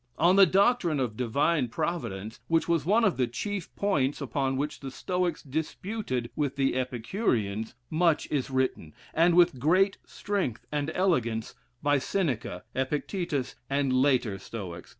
On the doctrine of divine providence, which was one of the chief points upon which the Stoics disputed with the Epicureans, much is written, and with great strength and elegance, by Seneca, Epictetus, and other later Stoics.